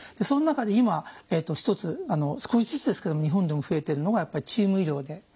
その中で今一つ少しずつですけども日本でも増えてるのがやっぱりチーム医療で。